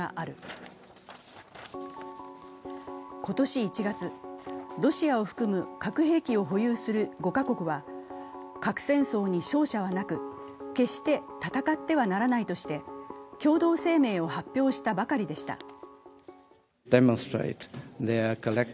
今年１月、ロシアを含む核兵器を保有する５カ国は核戦争に勝者はなく、決して戦ってはならないとして、共同声明を発表したばかりでした。